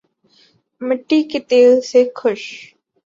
مٹی کے تیل سے خش